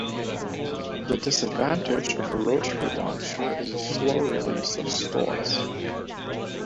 The disadvantage of a rotary launcher is a slow release of stores.